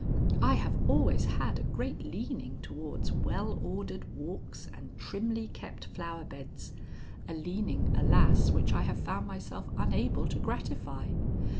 "I have always had a great leaning towards well ordered walks and trimly kept flower beds a leaning, alas! which I have found myself unable to gratify."